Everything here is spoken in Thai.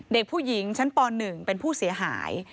เด็กผู้หญิงชั้นป๑เป็นผู้เสียหาย